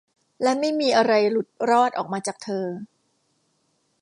และไม่มีอะไรหลุดรอดออกมาจากเธอ